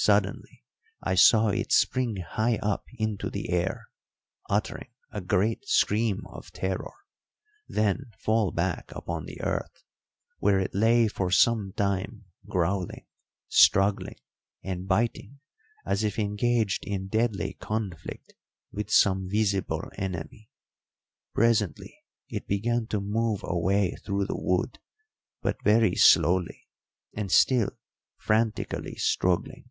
Suddenly I saw it spring high up into the air, uttering a great scream of terror, then fall back upon the earth, where it lay for some time growling, struggling, and biting as if engaged in deadly conflict withsome visible enemy. Presently it began to move away through the wood, but very slowly and still frantically struggling.